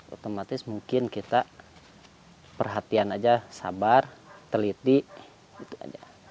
otomatis mungkin kita perhatian aja sabar teliti gitu aja